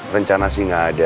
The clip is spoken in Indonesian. rencana sih gak ada